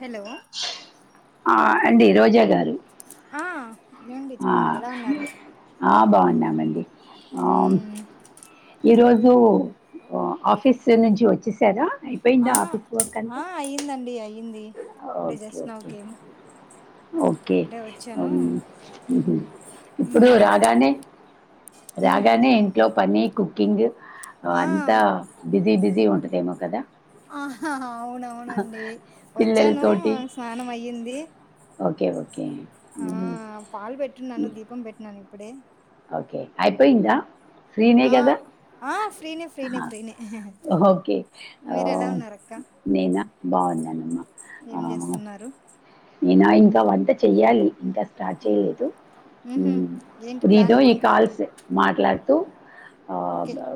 Hello ఆ అండి రోజా గారు ఆ ఏవండి ఆ చెప్పండి ఎలా ఉన్నారు ఆ బాగున్నామండి ఆ మ్మ్ ఈరోోజు ఆఫీస్ నుంచి వచ్చే స ఇ ఇ ఆ ఆఫీస్ వక్ ఎంత ఆ అయ్యిందండి అయ్యింది అంటే just now okay okay came okay అంటే వచ్చాను ఇప్పుడు మ్మ్ రాగానే మ్మ్ రాగానే ఇంట్లో పని కుకిింగ్ ఆ అంతా బిజీ బిజీ ఉంటుంది ప్రేమో కదా ఆ అవునవునండి వచ్చాను పిల్లలతోటి స్నానం అయ్యింది ఓకే కే ఓకే ఆ పాలు పెట్టున్నాను దీపం పెట్టినా ఇప్పుడే ఓకే అయిపోయిందా ఫ్రీనే ఆ కదా ఆ ఫ్రీనే ఫ్రీనే ఫ్రీనే ఓకే మీరు ఎలా ఉన్నారు అక్క నేనా బాన్నానమ్మా ఏం చేస్తున్నారు నేనా ఇంకా వంట చెయ్యాలి ఇంకా స్టార్ట్ చేయలేదు మ్మ్ హ్మ్ ఏంటి రీతు ప్లాను ఈ కాల్స్ మాట్లా తు ఆ ఓకే అదా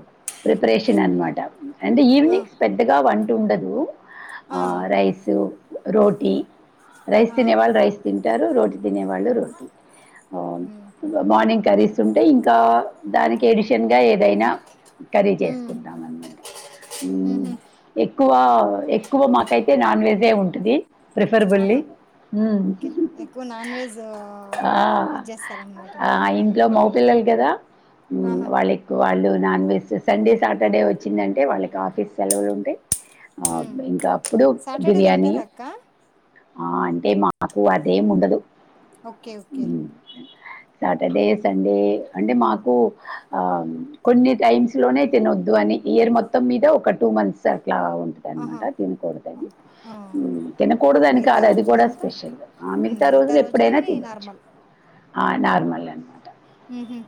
ప్రిపరేషన్ అన్మాట అండ్ ఆ ఈవినింగ్స్ పెద్దగా వన్ ఉండదు ఆ రైసు రోటీ రైస్ ఆ తినే వాళ్ళు రైస్ తింటారు రోజ్ తినే వాళ్ళు రోటీ ఆ ఉమ్ మార్నింగ్ కర్రీస్ ఉంటయి ఇంకా దానికి ఎడిషన్ గా ఏదైనా కర్రీ ఉమ్ చేసుకుంటామనమాట హు ఉహు క్కువ ఎగ్ ఎక్కువ మాకైతే నాన్ వెజ్ ఏ ఉంటది ప్రిఫర్బల్లి ఆహా ఓకే ఎక్కువ నాన్ వెజ్ ఆ! ఇడ్చేస్తారు అనమాట ఆ! మీరు ఇంట్లో మగ పిల్లలు కదా హు ఆహా వాళ్ళేక్కు వాళ్ళు నాన్ వెజ్ సండే సాటర్డే వచ్చిందంటే వాళ్ళకి ఆఫీస్ సెలవులు ఉంటాయి ఆ ఉమ్ ఇంకా అప్పుడు సాటర్డే బిర్యానీ తింటారా అక్క ఆ అంటే మాకు అదేం ఉండదు ఓకే ఓకే సాటర్డే సండే అంటే మాకు కొన్ని టైమ్స్ లోనే తినొద్దు అని ఇయర్ మొత్తం మీద ఒక టూ మంత్స్ సార్ అట్లా ఆహా ఉంటుందినమాట ఓ- తినకూడదని ఆ తినకూడదానిక మిగతా అది కూడా రోజులంతా స్పెషల్ ఉమ్, మిగతా రోజులు ఎప్పుడైనా రోజులన్నీ తినచ్చు నార్మల్ ఆ మల్ అన్న మాట మ్ హు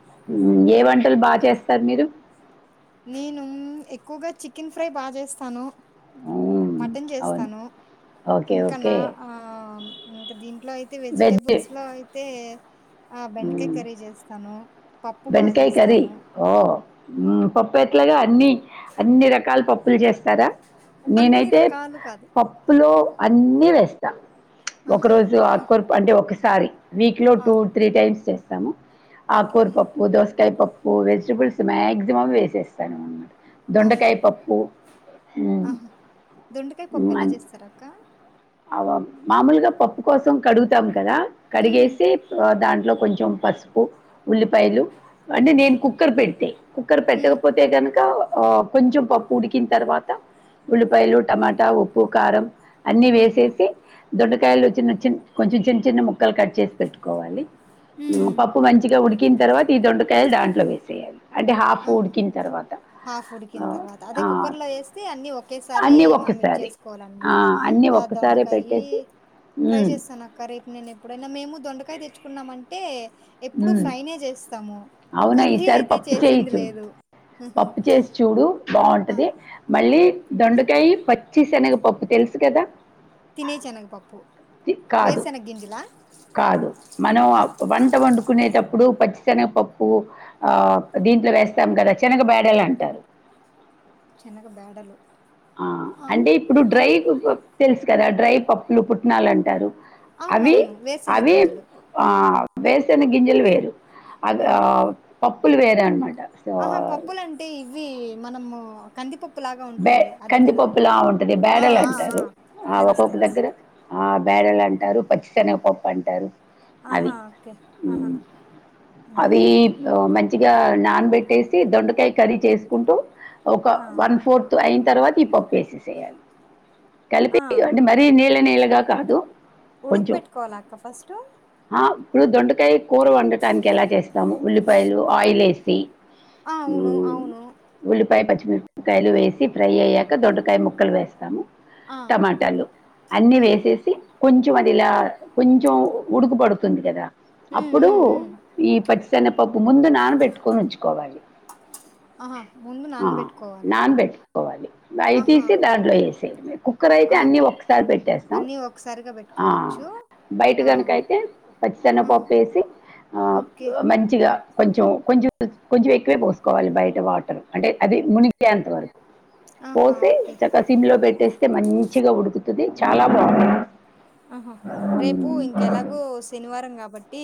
బాగా చేస్తారు మీరు నేను ఎక్కువగా చిక్ చికెన్ ఫ్రై బాగా చేస్తాను ఉమ్, మటన్ అవును చేస్తాను ఓకే ఇంకా ఓకే నా ఇంకా దీంట్లో అయితే వెజ్ వెజిటేబుల్స్లో అయితే ఆ బెండకాయ ఉమ్, కరీ చేస్త తను బెండకాయ కరీ ఓ హు పప్పు ఎట్లాగా అన్ని అన్ని రకాల పప్పులు చేస్తా చేస్తారా అన్ని నేనైతే రకాలు కాదు పప్పులో అన్నీ వేస్తా ఒక ఆహా రోజు ఆ ఆకర్పు అంటే ఒక సాడీ వీక్ లో ఆ, టూ, త్రీ టైమ్స్ చేస్తాము. ఆ ఓకే కూరిపప్ప్ దోసకాయ్ పప్పు వెజిటబుల్స్ మాక్సిమం వేసేస్తాను. ఉన్నట్ ఆహా ఉమ్, ఆహా దొండకాయ్ పప్పు ఎలా చేస్తారక్కా అవబ్ మాముల్గా పప్పు కోసం కడుగుతాం. కదా ఉమ్ కడిగేసి ఆ దాంట్లో, కొంచెం పస్పు ఉల్లిపాయలు అంటే నేను కుక్కర్ బెడితే కుక్కర్ ఉమ్ పెట్టకపోతే, గనుక ఆ కొంచెం పప్పు ఉడికిన్ తర్వాత ఉల్లిపాయలు, టమాటా, ఉప్పు, కారం అన్నీ ఉమ్ వేసేసి దొండకాయలు [unintelligible] కొంచెం చిన్ చిన్న ముక్కల్ కట్ చేసి పెట్టుకోవాలి. హ్మ్ ఉమ్ పప్పు మంచిగా ఉడికిన్ తర్వాత్ ఈ దొండకాయల్ దాంట్లో వేసేయాలి. అంటే హాఫ్ ఆహా ఉడికిన్ తర్వాత, హాఫ్ ఆ ఉడికిన తర్వాత అదే ఆ కుక్కర్ లో వేస్తే అన్ని ఒకేసారి అన్నీ మనం ఇది ఒక్కేసారి, ఆ చేసుకోవాలన్నమాట అన్నీ ఆ ఒక్కసారే పెట్టేసి దొండకాయి ట్రై ఉమ్, చేస్తానక్క రేప్ నేను ఎప్పుడైనా, మేము దొండకాయ్ ఇదేచ్చుకున్నామంటే హ్మ్ అవునా కర్రీ ఈసారి అయితే పప్పు చేసింది చేయించు, లేదు పప్పు చేసి చూడు ఆ బాగుంటది. ఆ మళ్ళీ దొండకాయ్ పచ్చి శెనగ పప్పు తెల్సుకదా. తినే చెనగపప్పు, కాదు వేరుశెనగింజిలా ఆ నేటప్పుడు పచ్చిశెనెవ్ పప్పు ఆహ్ దీంట్లో వేస్తాం. కదా చెనగ బ్యాడెలంటారు. చెనగ బ్యాడర్లు ఆ అంటే ఇప్పుడు డ్రై [unintelligible] తెల్సు కదా డ్రై. పప్పులు, పుట్నాలాంటారు. అవ్వీ, అవునవును వేరుశనగ అవ్వీప్ గింజలు ఆ వేర్శెనగింజలు వేరు అద ఆహా ఆవ్ పప్పుల్ల్ వేరే అనమాట. ఆహా సో పప్పులంటే ఈ వీ మనము కందిపప్ప్. బ్యె కందిపప్పులా ఉంటది. ఆ ఆ ఆ బ్యాడలాంటారు, ఆ తెలుసు ఒక్కొక్కళ్ళు తెలుసు దగ్గర ఆబ్ బ్యాడెలంటారు, పచ్చిశెనగపప్పంటారు. అవి ఆహా ఓకే ఆహా హ్మ్మ్ అవి ఉమ్ ఆ మంచిగా నాన్ బెట్టేసి దొండుకాయి, కర్రీ చేసుకుంటూ ఒక ఆ వన్ కు అయిన తర్వాత ఈ పప్పు వేసిసేయ్యాలి. కల్పి ఇగ ఆ అంటే, మరీ నీళ్ళ నీళ్ళగా కాదు. ఉడుకు కొంచెం పెట్టుకోవాలా అక్క ఫస్ట్ ఆవ్ ఇప్పుడు దొండ్ టే కూర వండటానికి ఎలా చేస్తాము ఉల్లిపాయలు ఆయిల్ ఏసి ఆ అవును అవును [inaudible] ఉల్లిపాయ వేసి ఫ్రై అయ్యాక దొడ్డకాయ ముక్కలు వేస్తాము ఆ టమాటాలు అన్నీ ఉమ్ వేసేసి కొంచ్ అది ఇలా కొంచెం ఉడుకు పడుతుంది కదా ఉమ్ అప్పుడు ఉమ్ ఉమ్ ఈ పచ్చి తెనాం పప్పు ముందు నానబెట్టుకొని ఉంచుకోవాలి ఆహా ముందు ఆహ్ నానబెట్టుకోవాలి నాన్ పెట్టుకోవాలి అవి ఆహా తీసి దాంట్లో వేసెయ్యడమే కుక్కర్ అయితే ఆ అన్నీ ఒక్కసారి పెట్టేస్తాం అన్నీ ఒకసారిగా ఆ పెట్టుకోవచ్చు బయట ఆ కనుక అయితే ఆహా పచ్చెశెనగపప్పు వేసి ఓకే మంచిగా కొంచెం కొంచెం కొంచెం ఎక్కువే పోసుకోవాలి బయట వాటర్ అంటే అది మునిగి ఎంతవరకు ఆహా పోసి ఓకే చక్క సిమ్ లో పెట్టేస్తే మంచిగా ఉడుకు ది చాలా బాగుంటుంది ఆహా రేపు మ్మ్. ఇంకెలాగూ శనివారం కాబట్టి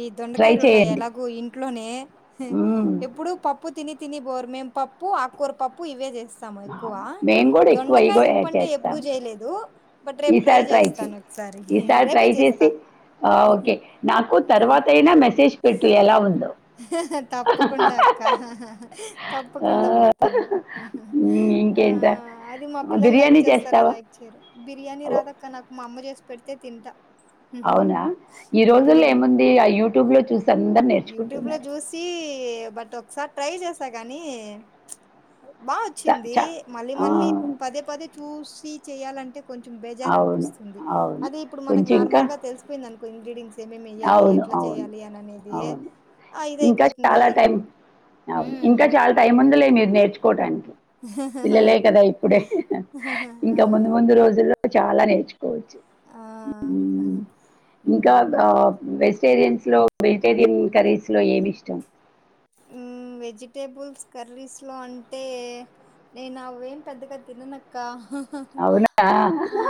ఈ ట్రై దొండకాయలు ఉన్నాయి చేయండి ఎలాగు ఇంట్ ఇట్లోనే మ్మ్. ఎప్పుడు పప్పు తిని తిని బోరు మేం పప్పు ఆకూర పప్పు ఇవే చేస్ స్తాము ఎక్కువ మేము కూడా ఎక్కువ దొండకాయ ఇగో పప్పు యాడ్ అంటే ఎప్పుడు చేస్తాము చేయలేదు బట్ రేపు ట్రై చేస్తా చేస్తాను ఒకసారి ఈసారి రేపే ట్రై చేసి ఓకే నాకు తర్వాత అయినా మెసేజ్ పెట్టు ఎలా ఉందో తప్పకుండా అక్క ఆ, తప్పకుండా పెడతాను మ్మ్, ఆ ఇంకేంటా అది మా పిల్లలు లైక్ బిర్యానీ చేస్తారో చేస్తావా లైక్ చేయరో బిర్యాని రాదక్క నాకు మా అమ్మ చేసి పెడితే తింట అవునా ఈ రోజుల్లో ఏముంది ఆ యూట్యూబ్ లో చూసి అందరు యూట్యూబ్ లో నేర్చుకుంటున్నారు చూసి బట్ ఒకసారి ట్రై చేస్ గానీ బా స- వచ్చింది చ- మళ్ళీ ఆ, మళ్ళీ పదే పదే చూస్ చూసి చేయ్యాలంటే కొంచెం బెజార్ అవును అనిపిస్తుంది అవును అది ఇప్పుడు మనకు కొంచెం ఇంకా నార్మల్ గా తెలిసిపోయింది అనుకో ఇంగ్రీడియంట్స్ ఏం ఏం వెయ్యాలి అవును ఎట్లా అవును చేయాలి అని అనేది అవును, ఆ ఇంకా ఇదయిపోతుంది చాలా టైం, అవును, ఉమ్ ఇంకా చాలా టైం. ముందులే, మీరు నేర్చుకోవడానికి. పిల్లలే కదా ఇప్పుడే, ఇంకా ముందు ముందు రోజుల్లో. చాలా నేర్చు. ఆ ఉమ్ ఇంకా. ఉమ్ దా, వెజిరియన్స్. లో, వెటేరియన్ కర్రీస్ లో, ఎం ఇష్టం. చికెన్ పుల్స్ కర్రీస్లో అంటే, నేను అవేం పెద్దగా, తిననక్క. అవునా ఆ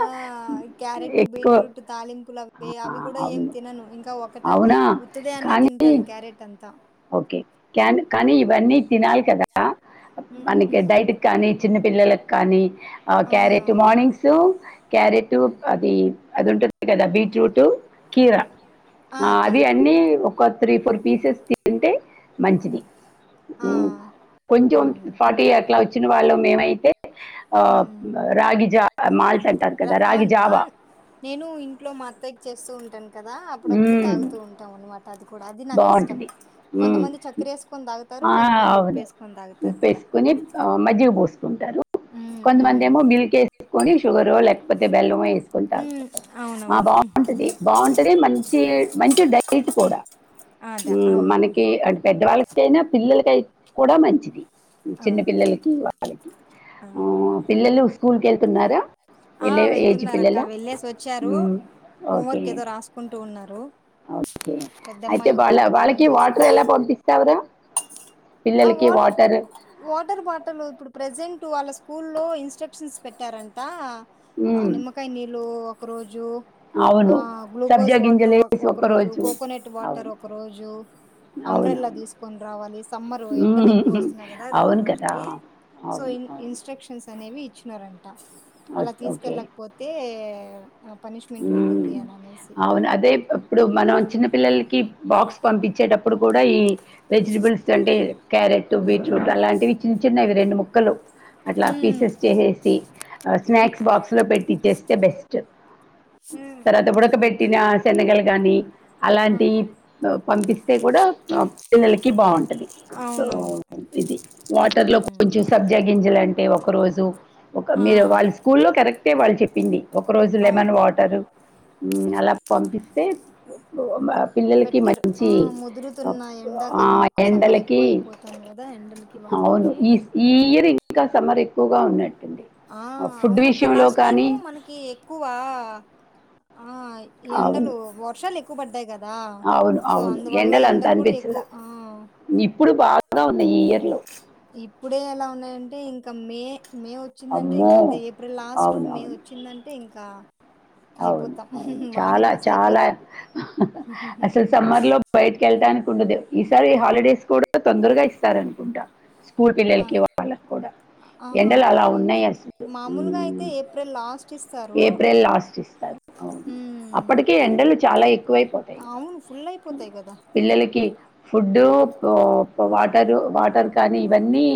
క్యారెట్, ఎక్కువ బీట్రూట్, తాలింపులు అవి ఆ, అవి కూడా ఏం అవును తినను, ఇంకా ఒకట అవునా ఉత్తిదే అన్న. కానీ తింటాను, క్యారెట్ అంతా. త. ఓకే, క్యాన్ కానీ. ఇవన్నీ తినాలి కదా, హ్మ్. మనకి, డైట్ కానీ. చిన్న పిల్లలక కానీ. అ క్యరెట్, అవునవును. మార్నింగ్ సూ, క్యారెట్. టు, అది, అది ఉంటుంది కదా, బీట్రూటు, కీరా. ఆ, అది అన్నీ, ఒక. త్రీ ఫోర్ పీసెస్ కి. తింటే, మంచిది. ఉ, ఆ! కొంచం, హ్మ్. ఫాటీ అట్లా. ఇచ్చిన వాళ్ళు, మేమైతే. రాగిజా. అ మల్. రా ఆన్, ఆన్, నేను, ఇంట్లో, మా అత్తకి, చేస్తూ ఉ. కదా, అప్పుడప్పుడు తాగుతూ ఉంటాం అన్నమాట, అది. కూడా. అది నాకిష్టం. బాగుంటది, ఉమ్ కొంతమంది చక్కెరేసుకొని తాగుతారు. ఆ కొంతమంది అవును, ఉప్పేసుకొని తాగుతారు కదా! ఉప్పుసుకుని, అ మజ్జిగ పోసుకుంటారు, హ్మ్. కొంతమంది హ్మ్. ఏమో మిల్క్ వేసుకొని, షుగరొ లేక. కొద్దిగా, బెల్లుమేయ్. తీసుకుంట, హ్మ్ ఆ అవునవును. బాగుంటది, బాగుంటది, మంచి, మంచి డైట్, కూడా. అదా ఉమ్, అవును. మనకి, అంటే, పెద్దవాళ్ళకైనా, పిల్ల. పల్లకై, కూడా, మంచిది, ఆ! చిన్న పిల్లలకి, వాళ్ళకి, ఆ పిల్లలు, స్కూల్ కె. తిన్నారా. ఆ వెళ్తున్నారు అక్క వెళ్ళసి వచ్చారు ఉమ్, ఓకే హోంవర్క్ ఏదో రాసుకుంటూ ఉన్నారు. ఓకే పెద్ద అయితే అమ్మాయి ఒక వాళ్ళ అమ్మాయి వాళ్ళకి డ్రాయింగ్ వాటర్ వేసుకుంటా ఎలా పంపిస్తావురా ఆ వాటర్ వాటర్ బాటిల్ ఇప్పుడు ప్రజెంట్ వాళ్ళ స్కూల్లో ఇన్స్ట్రక్షన్స్ పెట్టారంట ఆ ఉమ్, నిమకాై నీళ క్క రోజు ఆ అవును గ్లూకోజ్ సబ్జా వాటర్ గింజలు వేసి ఒక రోజు ఒక్కరోజు కోకోనట్ వాటర్ అవును ఒక రోజు అవును అబ్రెల్లా అవును తీసుకని రావాలి సమ్మర్ ఎండలు హ్మ్. ఎక్కువ వస్తున్నాయి కదా రోజు అవును కదా! రోజుకి సో అవును. అవును. ఇన్స్ట్రక్షన్స్. అనేవి ఇచ్చినారంట ఓ అలా ఓకే. తీసుకెళ్ళకపోతే పనిష్మెంట్ ఉంటుంది అని అనేసి అవును అదే ఇప్పుడు మనం చిన్న పిల్లలకి బాక్స్ పంపించేటప్పుడు కూ డా ఈ వెజిటబుల్స్ అంటే క్యారెట్ బీట్రూట్ అలాంటివి చిన్న చిన్నవి రెండు ముక్కలు అట్లా ఉమ్ పీసెస్ చేసేసి స్నాక్స్ బాక్స్లో పెట్టించేస్తే బెస్ట్. ఉమ్ తర్వాత ఉడక ఉమ్ పెట్టినా సెన ల్ల గానీ ఆ అలాంటి పంపిస్తే కూడా పిల్లలకి బాగుంటది అవునవును ఇది వాటర్ లో ఉమ్ కొంచెం సబ్జా గంజలు అంటే ఒక రోజు ఒక ఆ మీరు వాళ్ళ స్కూల్లో కరెక్టే వాళ్ళు చెప్పింది ఒక రోజు అవును లెమన్ వాటర్ తరు అలా పంపిస్తే ఓక్ బెట్టర్ ఆ ముదురుతున్న ఆ, ఎండాకాలం ఎక్కువ సమ్మర్ ఎండలకి ఎక్కువ అయిపోతుంది కదా ఎండలకి అవును వాటికి. ఈ ఈ ఇయర్ ఇంకా సమ్మర్ ఎక్కువగా ఉన్న ఆ అవునక్క లాస్ట్ టైము మనకి ఎక్కువ ఆ అవును ఎండలు వర్షాలు ఏ కువ బడ్డయి ద అవును అవును అందువల్ల అంత ఎండలు కూడా ఎక్కువ అనిపించలా ఆ ఇప్పుడు బాగా ఉన్నాయి ఈ ఇయర్లో ఇప్పుడే ఎలా ఉన్నాంటే ఇ ఇంకా మే వచ్చిందంటే అమ్మో ఇంక అంతే ఏప్రిల్ లాస్ట్ అవును మే అవును వచ్చిందంటే ఇంకా అవును అయిపోతాం అవును మాడి చాలా మస చాలా అయిపోతాం అసలు సమ్మర్ లో బయటకి వెళ్ళటానికి ఉండదు ఈసారి హాలిడేస్ కూడా తొందరగా ఇస్తారనుకుంటాం స్కూల్ ఆ పిల్లలకి వాళ్ళకి కూడా ఆహా ఎండలు అలా ఓకే ఉన్నాయి అసలు మామూలుగా అయితే ఏప్రిల్ లాస్ట్ ఇస్తారు ఏప్రిల్ లాస్ట్ ఉమ్ అప్పటికే ఎండలు చాలా ఎక్కువైపోతాయి అవును ఫుల్ అయిపోతాయి కదా పిల్లలకి ఫుడ్డు వాటరు వాటర్ కానీ ఇవన్నీ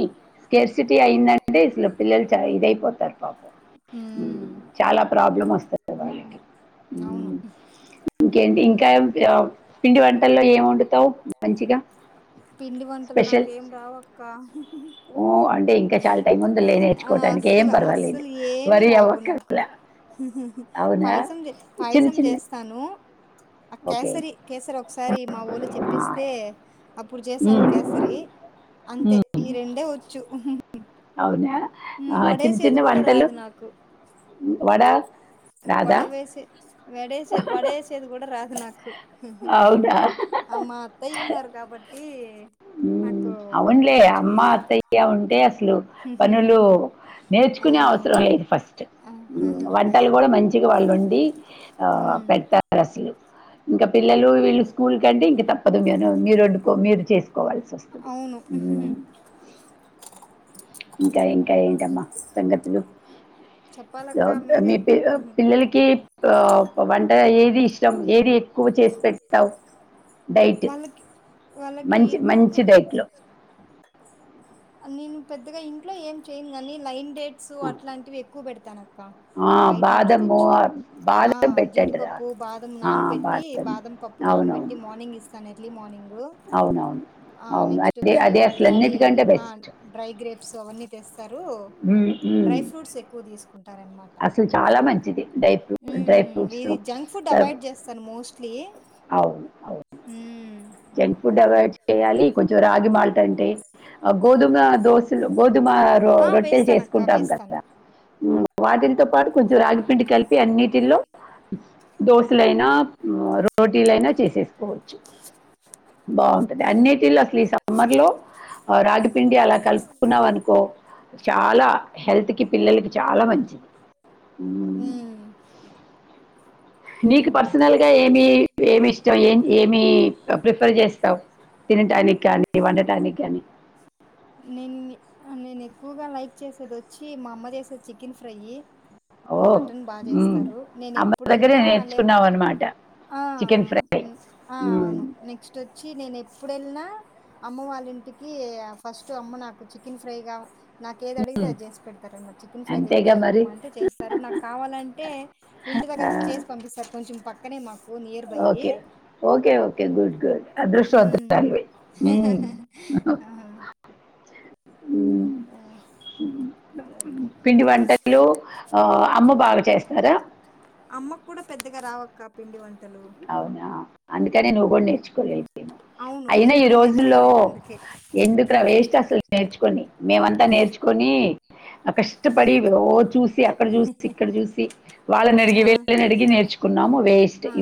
స్కేర్సిటీ అయిందంటే ఇసలు పిల్లలు చ ఇదయిపోతారు పాపం ఉమ్ చాలా ప్రాబ్లమ్ వస్తా. [inaudible] అవును ఓకేండి ఇంకా పిండి వంటల్లో ఏం వండుతావు మంచిగా పిండి వంటలు నాక స్పెషల్ ఏం రావక్క ఓ అంటే ఇంకా చాలా టైం ముందు లే ఆ నేర్చుకోవడానికి ఏం అస్సలు పర్వాలేదు అస్సలు ఏవి వరి రావు నాకు అవ్వక్కరలా పాయసం పాయసం చేస్తాను ఆ ఓకే కేసరి కేసరి ఒకసా సర మా వాళ్ళ ఆ, చెప్పిస్తే అప్పుడు చేశాను మ్మ్. కేసరి అంతే మ్మ్. ఈ రెండే వచ్చు అ [inaudible] ఒడ సేదు కూడా రాదు నాకు వడ రాదా వడవస వడ వడే సేదు కూడా రాదునాకు అవునా [inaudible] అమ్మా అత్తయన్నారు కాబట్టి నాకు అవునులే కొంచెం అమ్మ అత్తయ్య ఉంటే అసలు పనులు ఆ నేర్చుకునే అవసరం లేదు ఫస్ట్ ఆ వంటలు కూడా మంచిగా వాళ్ళు వండి ఆ ఉమ్ పెడతారు అసలు ఇంకా ఉమ్. పిల్లలు వీళ్ళుకూల్ కంటే ఇంకా అద మీను మీరు వండుకో మీరు చేసి కోవాల్సి వస్తుంది అవును ఇంకా ఇంకా ఏంటమ్మా సంగతులు చెప్పాలక్క మీ మీరే ప పిల్లలకి వంట ఏది ఇష్టం ఏది ఎక్కువ చేసి పెడతావు డైట్ మంచి కూగ మంచి డైట్లో అన్ని ను పెద్ద గా ఇంట్లో ఏం చేయనుగానీ లైన్ డేట్స్ ఆ. అలాంటివి ఎక్కువ పెడు తన ఆ బయట నుంచి బాదము తెచ్చి ఆ బాదం పెట్టండిరా జీడిపప్పు బాదం నాన పెెట్టి బాదం పప్పు నానబెట్టి అవునవును మార్నింగ్ ఇస్తాను ఎట్లీ మార్నింగ్ అవునవును అవును నెక్స్ట్ అదే వచ్చి అదే వాళ్ళ అసలు డాడీ అన్నిటికంటే బెస్ట్ డ్రై గ్రే స అని తె స్తారు ఉమ్, ఉమ్. డ్రై ఫ్రూట్స్ ఎక్కువ తీసుకుంటారనమాట ై్ర డ్రై ఉమ్ ఫ్రూట్స్ వో అవును అవును జంక్ ఫుడ్ అవాయిడ్ చేయాలి కొంచెం రాగి మాల్ట్ అంటే గోధుమ దోశలు గోద్ దుమా రో ఆ రొట్టెలు వేస్తాను అక్క చేసుకుంటాం వేస్తాను కదా హు వాటిల్ తో పాటు కొంచెం రాగిపిండి కలిపి అన్నిటిలో దోశలైనా, రోటీలైనా చేసేసుకోవచ్చు. బాగుంటది అన్నిటి లో లీ సమ్మర్లో రాగిపిండి అలా కలుపుకున్నావ్ అనుకో, చాలా హెల్త్కి పిల్లలకి చాలా మంచిది. ఉమ్ నీకు పర్సనల్ గా ఏమి, ఏమి ఇష్టం ఏం ఏమి ప్రిఫర్ చేస్తావ్, తినటానికి కానీ వండటానికి కానీ. నేను నేను ఎక్కువగా లైక్ చేసేది వచ్చి, మా అమ్మ చేసేది చికెన్ ఫ్రై ఓ మటన్ బా మ్మ్. చేస్తారు నేను అమ్మ ఎప్పుడై దగ్గరే నిన్న లే నేర్చుకున్నావు అనమాట అ చికెన్ ఫ్రై ఆ మ్మ్. అవును నెక్స్ట్ వచ్చి నేను ఎప్పుడు వెళ్ళిన అమ్మ వాళ్ళ ఇంటికి ఫస్ట్ అమ్మ నాకు చికెన్ ఫ్రైగా నాకు ఏది అడిగితే మ్మ్. అది చేసి పెడతారు అనమాట, చికెన్ ఫ్రై అంతేగా మరి తెచ్చేయమ్మ అంటే చేస్తారు, నాకు కావాలంటే ఇంటి ఆ, దగ్గరకి [unintelligible] సార్ కొంచం పక్కనే మాకు near by okay okay okay good good ఉమ్. అదృష్టవంతులు అండి మ్ ఆహా. ఆ, సరే పిండి వంటల్లో ఆ అమ్మ బాగా చేస్తారా అమ్మకు కూడా పెద్దగా రావక్క పిండి వం అవునా అందుకనే నువ్వు కూడా నేర్చు అవును అయినా నేను ఈ కూడా రోజుల్లో, నేర్చుకోలేదు అందుకే ఎందుకు రా వేస్ట్ అసలు నేర్చుకొని, మేమంతా నేర్చుకొని కష్టపడి ఓ చూసి అక్కడ చూసి, ఇక్కడ చూసి వాళ్ళని ఆ అడిగి విళ్ళని అడిగి నేర్చుకున్నాము వేస్ట్ ఆ